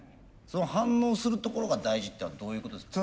その反応するところが大事っていうのはどういうことですか？